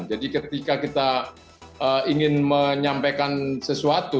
jadi ketika kita ingin menyampaikan sesuatu